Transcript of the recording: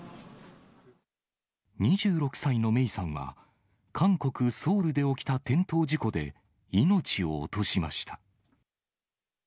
２６歳の芽生さんは、韓国・ソウルで起きた転倒事故で、命を落としました。